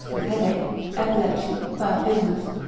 with headache, epilepsy, priapismus.